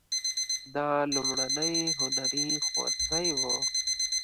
دا لومړنی هنري ښوونځی و.